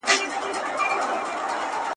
یو ګیدړ د شپې په ښکار وو راوتلی `